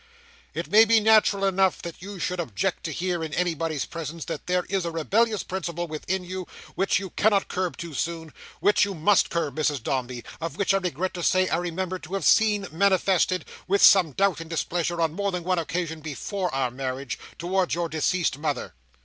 It may be natural enough that you should object to hear, in anybody's presence, that there is a rebellious principle within you which you cannot curb too soon; which you must curb, Mrs Dombey; and which, I regret to say, I remember to have seen manifested—with some doubt and displeasure, on more than one occasion before our marriage—towards your deceased mother.